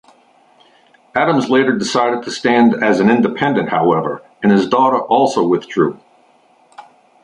Adams later decided to stand as an independent, however, and his daughter also withdrew.